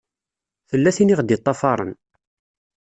Tella tin i ɣ-d-iṭṭafaṛen.